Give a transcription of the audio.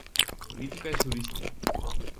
Política e xurista.